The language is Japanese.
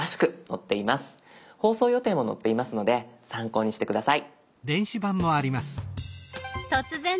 放送予定も載っていますので参考にして下さい。